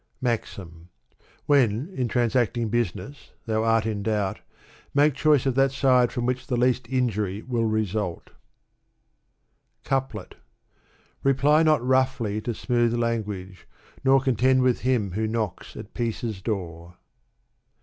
MAxm. When, in transacting business, thou att in doubt, make choice of that side from which the least injury will result ' Cauplit Reply not roughly to smooth language, nor Contend with him who knocks at peace's door.